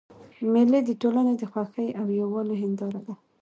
مېلې د ټولني د خوښۍ او یووالي هنداره ده.